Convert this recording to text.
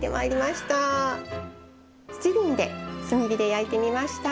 しちりんで炭火で焼いてみました。